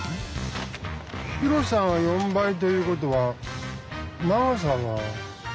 広さが４倍という事は長さは。